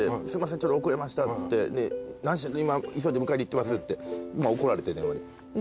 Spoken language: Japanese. ちょっと遅れましたっつって今急いで迎えに行ってますっつって怒られて電話で。